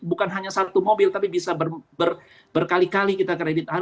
bukan hanya satu mobil tapi bisa berkali kali kita kredit